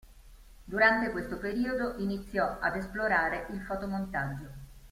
Durante questo periodo iniziò ad esplorare il fotomontaggio.